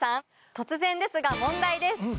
突然ですが問題です。